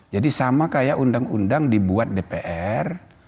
jadi sama kayak undang undang dibuat dpr